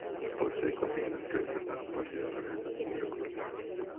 Pearse continuó desarrollando la capacidad para realizar un vuelo controlado.